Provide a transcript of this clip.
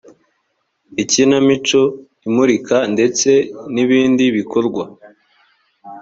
ikinamico imurika ndetse n ibindi bikorwa